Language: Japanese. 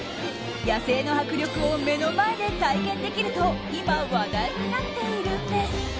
野生の迫力を目の前で体験できると今、話題になっているんです。